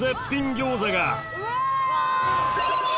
餃子がうわ！